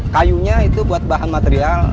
kayunya itu buat bahan material